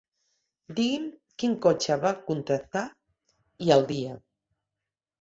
Digui'm quin cotxe van contractar i el dia.